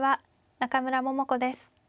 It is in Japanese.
中村桃子です。